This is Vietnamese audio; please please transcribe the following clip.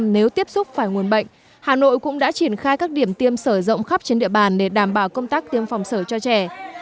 nếu tiếp xúc phải nguồn bệnh hà nội cũng đã triển khai các điểm tiêm sởi rộng khắp trên địa bàn để đảm bảo công tác tiêm phòng sở cho trẻ